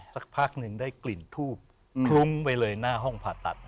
สักพักหนึ่งได้กลิ่นทูบคลุ้งไปเลยหน้าห้องผ่าตัด